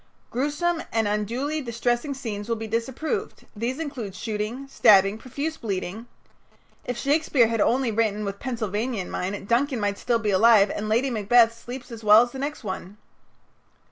"Gruesome and unduly distressing scenes will be disapproved. These include shooting, stabbing, profuse bleeding " If Shakespeare had only written with Pennsylvania in mind, Duncan might be still alive and Lady Macbeth sleep as well as the next one.